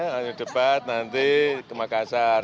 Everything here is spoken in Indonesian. kalau ada yang debat nanti ke makassar